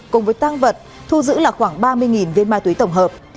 cùng với tăng vật thu giữ là khoảng ba mươi viên ma túy tổng hợp